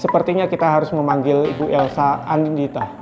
sepertinya kita harus memanggil ibu elsa andinita